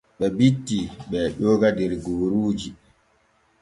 Ɓe bitti ɓee ƴooga der gooruuji.